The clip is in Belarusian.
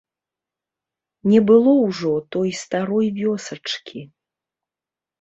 Не было ўжо той старой вёсачкі.